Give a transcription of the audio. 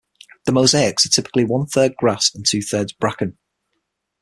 The mosaics are typically one-third grass and two-thirds bracken.